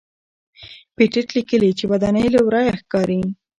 پېټټ لیکلي چې ودانۍ له ورایه ښکاري.